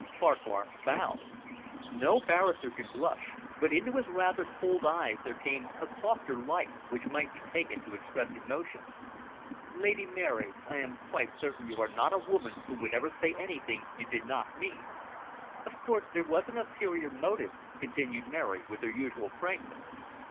Farquhar bowed. No barrister can blush, but into his rather cold eyes there came a softer light which might be taken to express emotion. "Lady Mary, I am certain you are not a woman who would ever say anything you did not mean." "Of course, there was an ulterior motive," continued Mary, with her usual frankness.